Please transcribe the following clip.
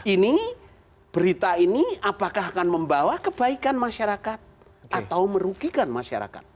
ini berita ini apakah akan membawa kebaikan masyarakat atau merugikan masyarakat